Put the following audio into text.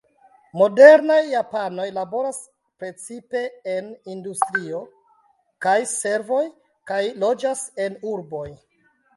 Modernaj japanoj laboras precipe en industrio kaj servoj, kaj loĝas en urboj.